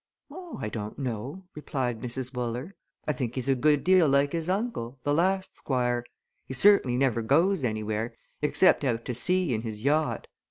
"Oh, I don't know," replied Mrs. Wooler. "I think he's a good deal like his uncle, the last squire he certainly never goes anywhere, except out to sea in his yacht.